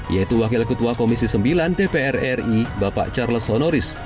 yaitu wakil ketua komisi sembilan dpr ri bapak charles honoris